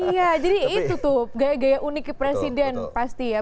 iya jadi itu tuh gaya gaya uniknya presiden pasti ya